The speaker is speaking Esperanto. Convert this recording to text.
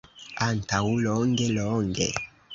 Antaŭ longe, longe.